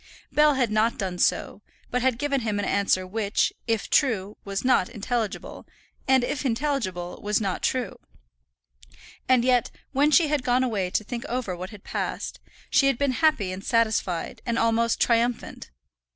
Bell had not done so, but had given him an answer which, if true, was not intelligible, and if intelligible was not true. And yet, when she had gone away to think over what had passed, she had been happy and satisfied, and almost triumphant.